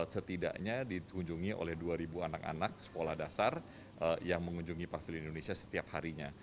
setidaknya dikunjungi oleh dua anak anak sekolah dasar yang mengunjungi pavili indonesia setiap harinya